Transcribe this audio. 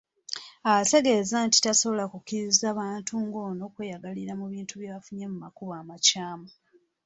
Ategeeza nti tasobola kukkiriza bantu ng'ono kweyagalira mu bintu bye bafunye mu makubo amakyamu.